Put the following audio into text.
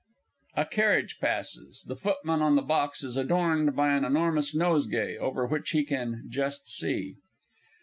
"] [_A carriage passes; the footman on the box is adorned by an enormous nosegay, over which he can just see.